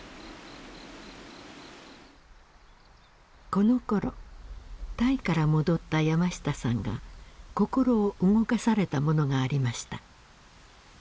このころタイから戻った山下さんが心を動かされたものがありました。